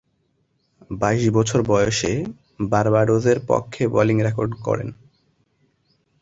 বাইশ বছর বয়সে বার্বাডোসের পক্ষে বোলিং রেকর্ড গড়েন।